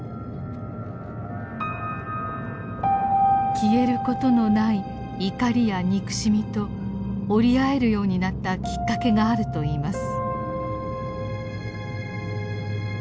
消えることのない怒りや憎しみと折り合えるようになったきっかけがあるといいます。